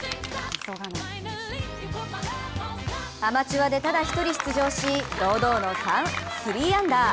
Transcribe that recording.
アマチュアでただ１人出場し堂々の３アンダー。